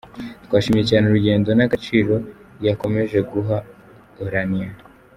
Twashimye cyane urugendo n’agaciro yakomeje guha Orania.